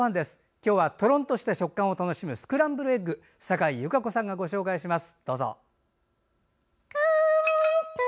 今日はとろんとした食感を楽しむスクランブルエッグサカイ優佳子さんが紹介します。